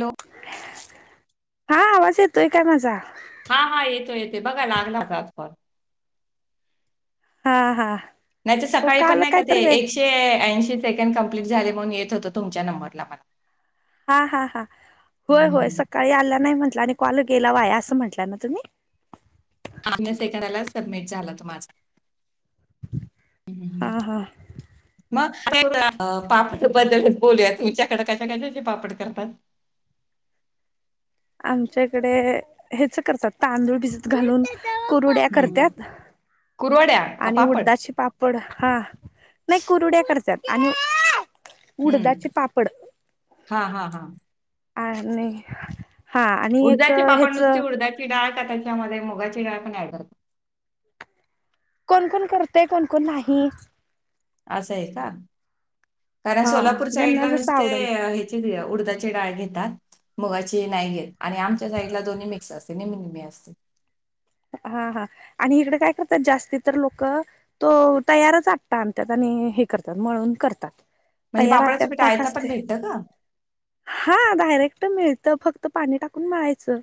Hello. हा आवाज येतोय काय माझा? हा हा येतो येते बघा लागलाचात फ हा हा नाही तर हो सकाळी पण काल नाही काय का ते तर वे एकशे ऐंशी सेकंड कंप्लीट झाले म्हणून येत होतं तुमच्या नंबरला मला हा हा हा होय होय हं. सकाळी आला नाही म्हंटलं आणि कॉल गेला वाया असं म्हंटलं ना तुम्ही अन्य सेकंदाला सबमिट झाला त माझा हां हा हा ग ते पापड बद्दलच बोलूया तुमच्याकडे कशा कशाशी पापड करतात आमच्याकडे हेच करतात तांदूळ भिजत घालून कुरुड्या करतात कुरवाड्या आणि उडदाचे पापड हा नाही कुरुड्या करतात आणि हं. उडदाचे पापड हां, हां, हां. आणि हा आणि एक ह्याच चिडा आहे का त्याच्यामध्ये मुगा चिडा पण ड करतो कोण कोण करतेय कोणकण नाही असं आहे का कारण हा सोलापूर साईड ज्यांना ला जसं आवडल तस नुसते उडदाचे डाळे घेतात मुगाची नाय गेल आणि आमच्या साईडला दोन्ही मिक्स असते निम्मीनममी असते हा हा आणि इकडे काय करतात जास्ती तर लोक तो तयारच आत आणि त्यात आणि हे करतात म्हळून करतात म्हणजे तयार पापडाचं हतात पीठ काय आयता पण काचते भेटतं का हा डायरेक्ट मिळतं फक्त पाणी टाकून मिळायचं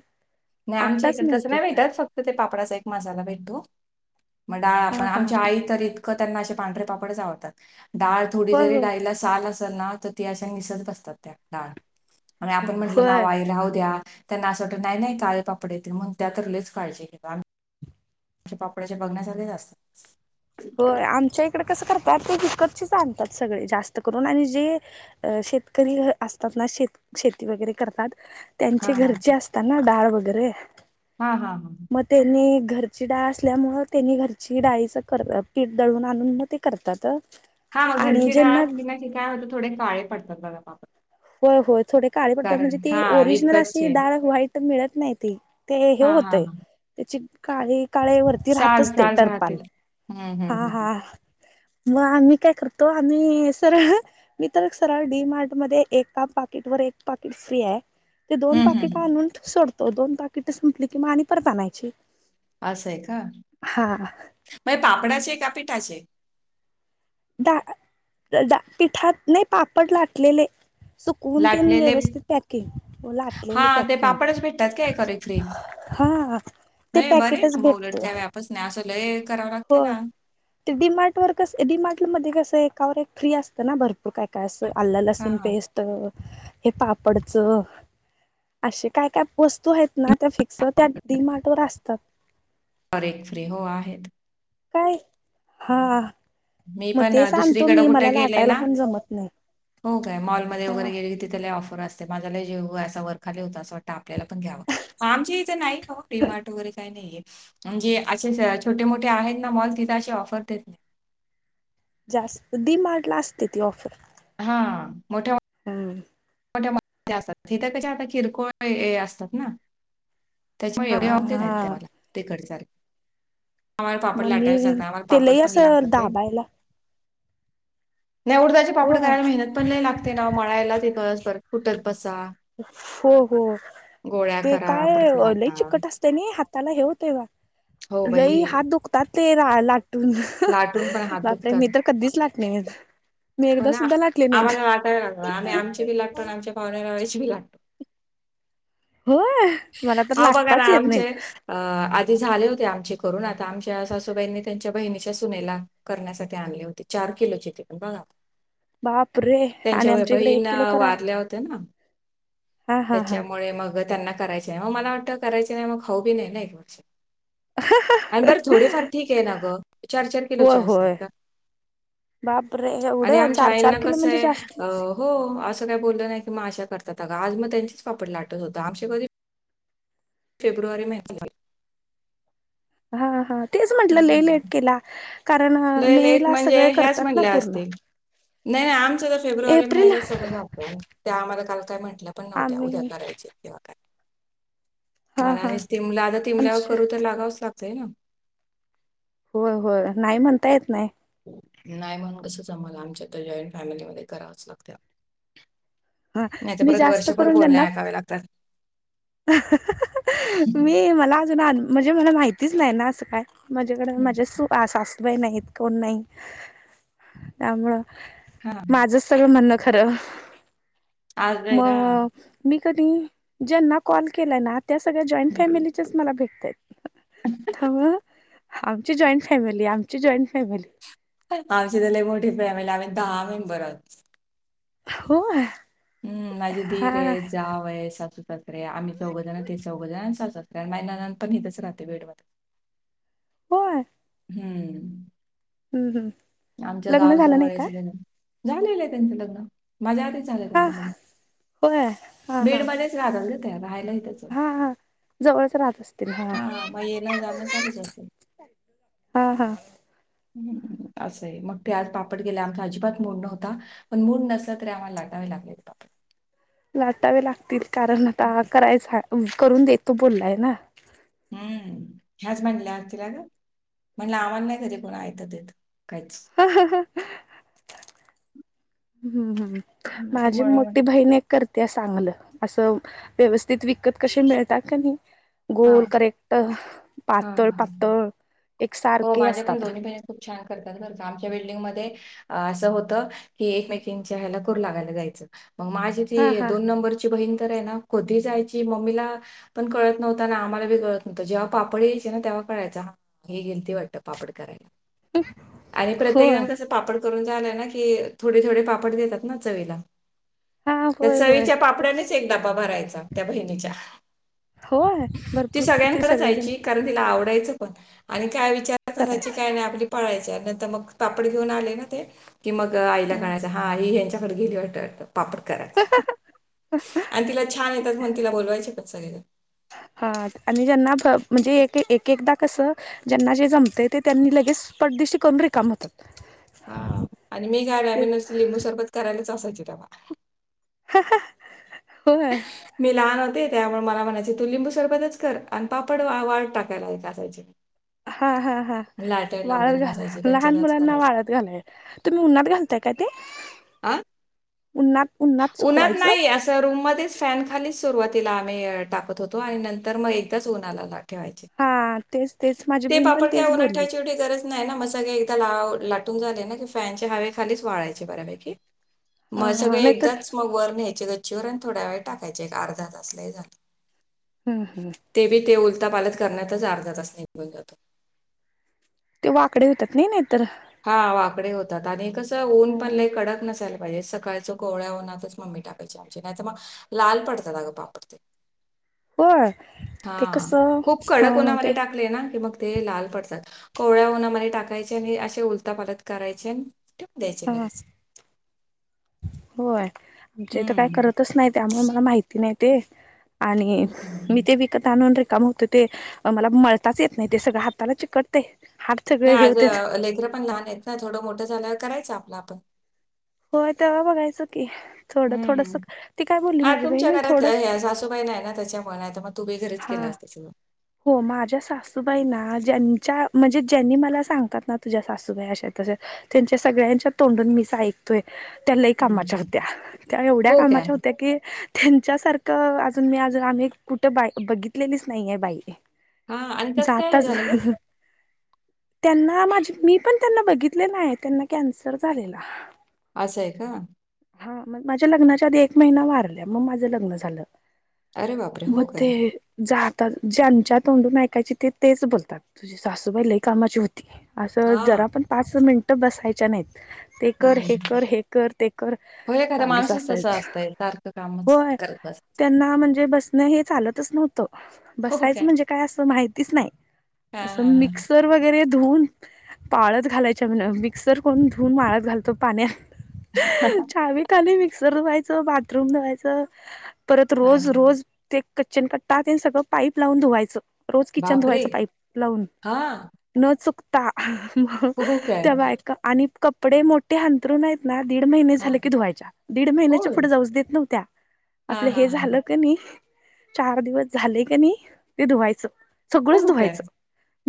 नाही आमच्या इकडेंसं नाही भेटतात फक्त ते पापडाचा एक मसाला भेटतो मग डाळ आपण हा हा आमच्या आई त नाे पांढरे पापडवतात डा होय थोडीरी होय डाला साल त अशा निसत बसतात त्या डाळ आणि आपण म्हंटलं ना होय वाय राहू द्या त्यांना असं वाटत नाही काळे पापड येतील म्हण त्या तरलीच काळजी घे म्हणे पापड्याच्या बघण्यासारखेच असतात हो आमच्या इकडे कसं करतात ते हिकतचेच आणतात सगळे जास्त करून आणि जे अ शेतकरी असतात ना शेत शेती वगैरे करतात हा त्यांचे हा घरचे असतात ना डाळ वगैरे हा हा हा मग त्यांनी घरची डाळ असल्यामु त्यांनी घरची डाळीच पीठ दळून आणून मग ते करतात हा मग आणि घरची ज्यांना डळच की नाही क काय होतं थोडे काळे पडतात बघा पापात होय होय थोडी काळी पडतात म्हणजे ती हा ओरिजनल अशी विकतचे डाळ व्हाईट मिळत नाही त ते हे हा हा होतय हा त्याची काळे काळे वरती साल राहतच ते साल राहते टरपाल हम्म हम्म हा हम्म हा मग आम्ही काय करतो आम्ही सरळ मी तर सरळ डी मार्ट मध्ये एका पाकिट वर एक पाकिट फ्री आहे ते दोन हम्म हम्म पाकिट हम्म. आणून सोडतो तो दोन पाकिट संपली की आणि परत आणायची असं आहे का हा मे पापडाचे का पिठाचे दा पिठात नाही पापड लाटलेले सुकवून ते लाटलेले व्यवस्थित पॅकिंग हा लाटलेले ते पॅकिंग पापडच भेटतात काय करे फ्री हा ते पॅकेटच भेटतं बस नाही असलय करावं लागते ना ते डी मार्ट वर कस डी मार्ट मध्ये कसं एकावर एक फ्री असतना भरत काय काय असं हा आल्ला लसूण हा पेस्ट हे पापडच असे काय काय वस्तू आहेत ना त्या फिक्सर त्या डी मार्ट वर असत परे एक फ्री हो आहेत काय हा मी मग पण ते अ, सांगतो दुसरीकडे मी कुठे मला गेले लाटायला ना पण जमत नाही हो काय मॉलमध्ये हा वगैरे गेले क ति त्याला ऑफर असते माझ्याला जेव अस वरखाले होता असं वाटत आपल्याला पण घ्यावा आमच्या इथ नाही ह फ्रीमार्ट वगैरे काही नाहीय म्हणजे असे छोटे मोठे आहेत ना मॉल तिथं असे ऑफर देत नाही जास्त दि मार्टला असते ती ऑफर हा मोठ्या हम् मोठ्या असात इथे कश आता किरकोळ असतात ना त्याच्यामुळे एवढे हा ऑब नाही हा त्या मला ते घरी चाल आमर पापड मग लाटावे सख मी आम ते पापड लई पण असं लागत दाबायला नाही उडताची हो पापड करायला मेहनत पण नाही लागते ना मळायला तथ कुठत बसा हो हो गोळ्या ते करा, परत काय लय लाटा. चिकट अस त्यानी हाताला हे होते बा हो लई बाई हात दुखतात ते रा लाटून लाटून पण हात बापरे मी दुखतात तर कधीच लाटले नाही होणा आम्हाला वाटायला लागणार आम्ही आमची बी लागतो आणि आमच्या पाहुनेळेची बी लागतो होय मला तर अहो बघा ना लागताच येत आमचे नाहीत अ आधी झाले होते आमचे करून आता आमच्या सासूबाईंनी त्यांच्या बहिणीच्या सुनेला करण्यासाठी आणली होती चार किलोची ते पण बघा बापरे आणि त्यांच्या व आमच्या इकडे एक बहीण किलो करा वारल्या होत्या ना हा हा हा त्याच्यामुळे मग त्यांना करायच नाही मग मला वाटत करायच नाही मग हऊ बी नाही ना एक वर्ष आणि बरं थोडेफार ठीक आहे ना गं चार चार होय किलोचे असतात होय का बापरे आणि एवढं आमच्या चार चार आईंना किलो कसं म्हणजे आहे अ जास्तीच हो असं काय बोललं नाही की मग आशा करतात आज मग त्यांचेच पापड लाटत होता आमच्या कधी फेब्रवारी महि हा हा तेच म्हंटलं ले लेट हम्म. केला कारण लय मे लेट ला म्हणजे सगळे ह्याच करतात ना म्हणल्या पूर्ण असतील नाही नाही आमचं तर फेब्रुवारी एप्रिल महिन्या सगळं जात आहे त्या आम्हाला काल काय म्हंटल्या पण नव्हत्या उद्या आम्ही करायचे तेव्हा काय हा मला हा आणि तिमला आता तिमल्यावर आमच्या करू तर लागावंच लागतंय ना हो हो नाही म्हणता येत नाही नाही म्हण कसच आम्हाला आमच्या तर जॉईंट फॅमिलीमध्येध्ये करावंच लागत हा मी जास्त करून घना ऐकावे लागतात हम्म. मी मला म्हणजे म्हण माहितीच नाही ना असं काय म्हझेकडे माझ अस बा नाहीत कोण नाही त्यामुं हा माझ सगळं म्हणणं खरं आज आहे ना मग मी कधी ज्यांना कॉल केला ना त्या सगळ्या जॉईंट हम्म. फॅमिली मला भेटतात म आमची जॉईंट फॅमिली आमची जॉईंट फॅमिली आमची त्या एक मोठी फॅमिली आम्ही दहा मेंबर आहोत हो हम् माझी ीर हा आहे जाव आहे सासूसासर आहे आम्ही चौघ जण ते चौघ जण सास ण महिन्यांतर नहच राहते वेळ मध्ये होय हम्म हम्म् आमच्या लग्न झालं गावाजवळ नाही आहे का सगळे झालेलं आहे त्यांचं लग्न माझ्या आच झालंय हा त्यांचं लग्न होय हा बीड हा मध्येच राधलेत राहायलाही त्याच हा हा जवळच राहत असतील हा मग येला जाण चालूच होतं. हा हा. ह् असंय मग ते आज पापट गेले आमचा अजिबात मोड नव्हता. पण मूड नसलं तरी आम्हाला लाटावे लागले आहेत बा. लाटावे लागतील कारण आता करायचा करून देतो बोललाय ना. हम्म ह्याज बनला हतरग म्हणलं आम्हला नाही कधी कोण आयात देत काहीच हम्म हम्म आता माझी मळण मोठी बहिण करत्या चांगलं असं व्यवस्थित विकत कशी मिळतात का नाही. हा गोल करेक्ट हा पातळ हा हा पातळ एक हो सारखे माझ्या पण असतात. दोन्ही बहिणी खूप छान करतात ब आमच्या बिल्डिंगमध्येध्ये असं होत की एकमेकीच्या ह्याला कर लागायला जायचं मग माझी हा ते हा दोन नंबर बहीण तर आहे ना कधी जायची मम्मीला पण कळत नव्हता ना आम्हाला ब कळत नव्हं जेव्हा पापड यायचे ना तेव्हा कळायचा हा. ही गिंती वाटत पापड करायला आणि प्रत्येक होय जण कसं? पापड करून झालाय ना की थोडे थोडे पापड देतात ना चवीला हा त्या होय होय चवीच्या पापड्यानेच एक डाबा भरायचा त्या बहिणीच्या होय ती भरपूर ते सगळ्यांकडे सगळेजण जायची कारण तिला आवडायचं पण आणि काय विचारत न त्याची करायला काय नाही आपली पाळायच्या नंतर मग पापड घेऊन आले ना ते कि मग आईला कळायच हा आई यां्यांच्याकडे गेली वाट पापड करायला आणि तिला छान येतात म्हणून तिला बोलवायचे पत सगळे- हां आणि जेना म्हणजे एक एक एकदा कसं? ज्यांना जे जमते ते त्यांनी लगेच पडदिशी करून रिकाम होतात. हा आणि मी काय ते मी नुसती लिंबू सरबत करायलाच असायचे तेव होय. मी लहान होते त्यामुळे मला म्हणायचे तू लिंबू सरबतच कर आणि पापड वाट टाकायला आहे असायची. हा हा हा वाळत वगैरे नसायचे घाला त्यांच्या लहान त्याच मुलांना करायचे वाळत घालाय. तुम्ही उन्हात घालताय का ते आ उननाात उन्हात सुकवायचं. तर रूममध्येध्येच फॅन खालीच सुरुवातीला आम्ही टाकत होतो आणि नंतर मग एकदाच उन्हाळाला ठेवायचे. हा तेच तेच माझी ते बहीण पण पापड तेच काय बोलली उन्याचीवढी गरज नाही ना म सगळे एकदा ला लाटून झाले ना की फॅनचे हवे खालीच वाळायचे बऱ्यापैकी मग हा सगळे नाहीतर एकदाच मग वर न्यायचे गच्चीवर आणि थोड्या वेळ टाकायचे एक अर्धा तासलाही झालं. हम् हम. ते बी ते उलता पालत करण्यातच अर्धा तास निघून जातो. ते वाकडे होतात नाही नाहीतर हा वाकडे होतात आणि कसं ऊन पणला कडक नसायला पाहिजे सकाळच कोहळ्या नातच मम्मी टाकाय. मची नाही त्या म लाल पडता दाग पापड ते होय हा ते कसं खूप कडक ह उन्हामध्ये ते टाकले ना कि मग ते लाल पडतात कोळ्या उनमध्ये टाकायचे आणि असे उलता पालत करायचे ठेवून द्यायचे हा लगेच. होय आमच्या इथं हं. काय करतच नाही त्यामुळे मला माहिती नाही ते आणि मी हं. ते विक. तून रिकाम होतो ते मला मळताच येत नाही ते सगळं हाताला चिकट ते हारथ का हे होते. लेकररा पण लहान आहेत. नाही थोडं मोठं झाल्या करायचं आपला आपण होय तेव्हा बघायचं की थोडं थोडस हं. ती काय बोलली माझी बहीण थोडस तो काही नाही ना त्याच्यामुळे आता मग तू बही घरीच हा केलं असते त्या हो माझ्या सासूबाईंना ज्यांच्या म्हणजे ज्यांनी मला सांगतात ना तुझ्या सासूबाई अशा तसे त्यांच्या सगळ्यांच्या तोंडून मी सा त्या लई कामाच्या हं. होत्या त्या एवढ्या हो काय? कामाच्या होत्या की त्यांच्यासारखं अजून मी अज आम्ही कुठं बा बघितलेलीच नाहीय बाईर हां आणि त्यात काय हे जातच झालं गं? त्यांना माझे मी पण त्यांना बघितलेलं आहे त्यांना कॅन्सर झालेला असं आहे का हा मग माझ्या लग्नाच्या आधी एक महिना वारल्या मग माझं लग्न झालं अरे बापरे! हो काय? मते ज ज्यांच्या तोंडून ऐकायची ते तेच बोलतात तुझी सासूबाईलाही कामाची होती असं हां. जरा पण पाच मिनिट बसायच्या नाहीत ते हं, कर हे हं. कर हे कर ते कर हो एखादा चालूच माणसच तस असायच असतय सारखं कामच होय करत असत त्यांना म्हणजे बसणं हे चालतच नव्हतं बसायचं म्हणजे काय असं माहितीच नाही हां, असं हां, मिक्स हां. मिक्सर वगैरे धुवून पाळत घालायच्या म्ह मिक्सर कोून धुवून माळत घालतो पाण्यात चाहावीिकाली मिक्सर धुवायचं बाथरूम धुवायचं परत काय रोज रोज ते कच्चन कट्टा ते सगळं पाईप लावून धुवायचं रोज किचन बापरे धुवायच पाईप लावून हा न चुकता मग फुहू काय ते बायक आणि कपडे मोठे हंतरून आहेत ना दीड महिने हा झाले की धुवायच्या दीड महिन्याच्या होय पुढे जाऊ देत नव्हत्या हा आपलं हा हे हा झालं क नाही चार दिवस झाले क नाही ते धुवायचं सगळंच फुहू काय धुवायचं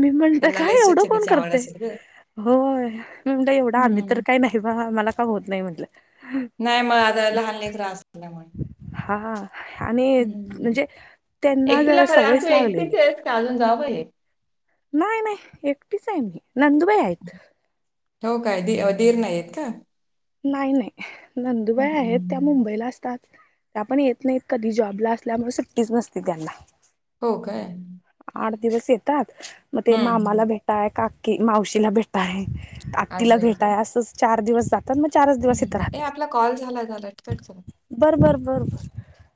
मी म्हणते त्यांना लय काय एवढं कोण स्वच्छतेची आवड करते असेल ग होयणट एवढं आम्ही तर हम्म. काही नाही बा मला का होत नाही म्हटलं नाही मग आता ल हलने त्रास झाल्यामुळे हा आणि म्हणजे त्यांना ज एकटीला फरक आणि सवयच तू लागलेली एकटीच आहेस का अजून जावं आहे नाही नाही एकटीच आहे मी नंदूबाई आहेत हो काय दीरण येत का नाही नाही नंदुबाई आहेत त्या हम्म. मुंबईला असतात त्या पण येत नाहीत कधी जॉबला असल्यामुळे सुट्टीच नसती त्यांना हो काय आठ दिवस येतात मग ते मामाला हम्म भेटाय काकी मावशीला भेटा आहे आत् तिला असं भेटाय असंच चार दिवस जातात मग चार ह ए आपला कॉल झाला झाला टिकट झा बरोबर बरोबर